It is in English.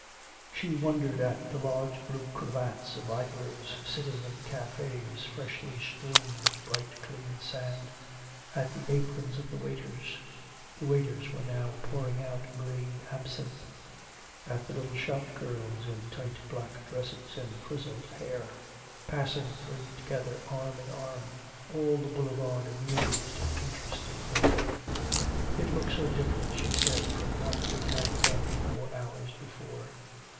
She wondered at the large blue cravats of idlers, sitting in cafes freshly strewn with bright clean sand, at the aprons of the waiters, the waiters were now pouring out green absinthe, at the little shop girls in tight black dresses and frizzled hair, passing three together arm in arm; all the boulevard amused and interested Mildred. It looked so different, she said, from what it had done four hours before.